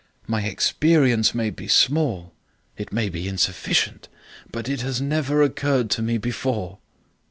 My experience may be small. It may be insufficient. But it has never occurred to me before."